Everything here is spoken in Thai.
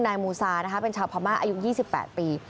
นายหมูซาเป็นชาวพม่าอายุ๒๘ปี